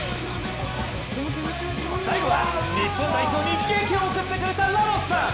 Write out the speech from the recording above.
最後は、日本代表にげきを送ってくれたラモスさん。